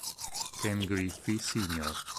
Ken Griffey Sr.